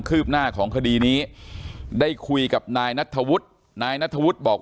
ืบหน้าของคดีนี้ได้คุยกับนายนัทธวุฒินายนัทธวุฒิบอก